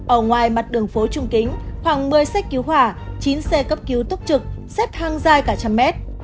ở ngoài mặt đường phố trung kính khoảng một mươi xe cứu hỏa chín xe cấp cứu túc trực xếp hang dài cả trăm mét